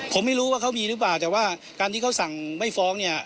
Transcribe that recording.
ผมไม่รู้ว่าเขามีหรือเปล่าแต่ว่าการที่เขาสั่งไม่ฟ้องเนี่ย